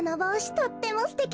とってもすてき！